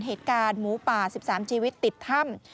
เหตุการณ์หมูป่า๑๓ชีวิตติดถ้ำ